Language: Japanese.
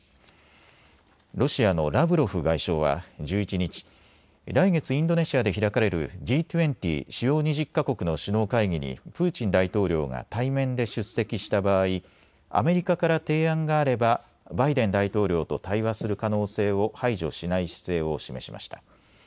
ロシアのラブロフ外相は１１日、来月、インドネシアで開かれるＧ２０・主要２０か国の首脳会議にプーチン大統領が対面で出席した場合、アメリカから提案があればバイデン大統領と対話する可能性を排除しない姿勢を示しました。